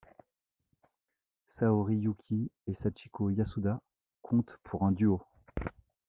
Saori Yuki et Sachiko Yasuda comptent pour un duo.